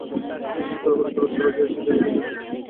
বিশেষ করে হলিক্রস কলেজে এসে যেন মেলে দিয়েছিলেন নিজের সবটুকু ঢেলে।